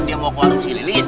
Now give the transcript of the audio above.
mau ke warung sih lilis